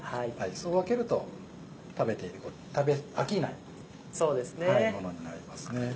そう分けると食べ飽きないものになりますね。